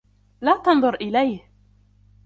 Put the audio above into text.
لا تنظر إليه!